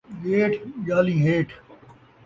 ڄیٹھ ، ڄالیں ہیٹھ